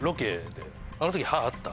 あの時。